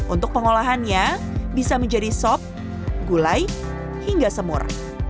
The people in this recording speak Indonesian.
untuk pengolahannya bisa menjadi sop gulai hingga semur